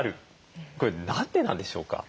これ何でなんでしょうか？